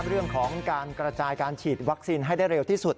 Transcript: เรื่องของการกระจายการฉีดวัคซีนให้ได้เร็วที่สุด